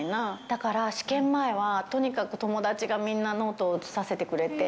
だから試験前は、とにかく友達がみんなノートを写させてくれて。